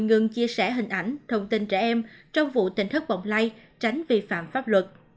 ngừng chia sẻ hình ảnh thông tin trẻ em trong vụ tỉnh thất bọng lây tránh vi phạm pháp luật